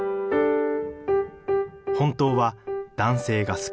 本当は男性が好き。